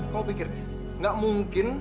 kamu pikir gak mungkin